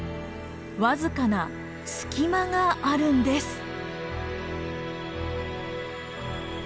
僅かな隙間があるんです。